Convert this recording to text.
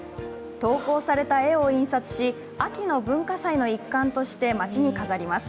投稿された絵を印刷し秋の文化祭の一環として町に飾ります。